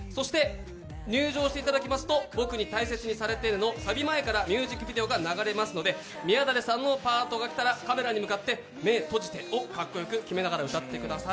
入場していただきますと「僕に大切にされてね」のサビ前からミュージックビデオが流れますので宮舘さんのパートが来たら、カメラに向かって「目閉じて？」を格好よくキメながら歌ってください。